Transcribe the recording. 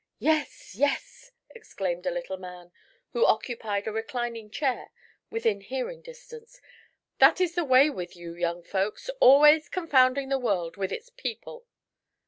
"Yes, yes!" exclaimed a little man who occupied a reclining chair within hearing distance; "that is the way with you young folks always confounding the world with its people."